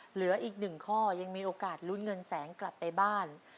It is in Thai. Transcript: เหลืออีกหนึ่งข้อยังมีโอกาสลุ้นเงินแสนกลับไปบ้าน